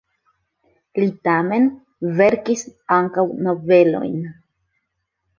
Li tamen verkis ankaŭ novelojn.